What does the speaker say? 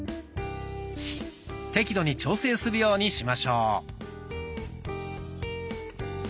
適度に調整するようにしましょう。